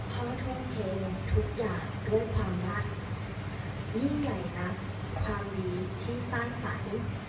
ทุ่มเททุกอย่างด้วยความรักยิ่งใหญ่นะความดีที่สร้างสรรค์